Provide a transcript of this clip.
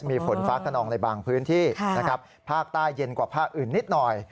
มีฝนฟ้าขนองในบางพื้นที่นะครับภาคใต้เย็นกว่าภาคอื่นนิดหน่อย